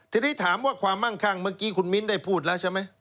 ทีนี้ถามว่าความมั่งคั่งเมื่อกี้คุณมิ้นได้พูดแล้วใช่ไหม